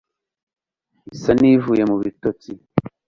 isa n'ivuye mu bitotsi